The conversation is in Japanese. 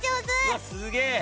うわっすげえ。